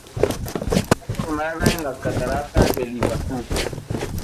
Fue filmada en la Cataratas del Iguazú.